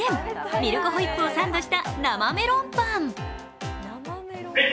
ミルクホイップをサンドした生メロンパン。